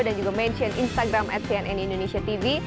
dan juga mention instagram at cnn indonesia tv